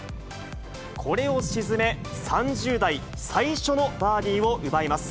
これを沈め、３０代最初のバーディーを奪います。